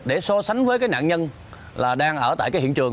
để so sánh với nạn nhân đang ở tại hiện trường